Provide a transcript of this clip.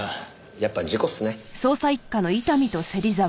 やっぱ事故っすね。